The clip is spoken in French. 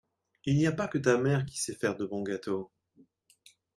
Il n'y a pas que ta mère qui sait faire de bons gâteaux.